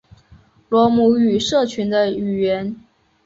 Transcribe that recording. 罗姆语社群的语言。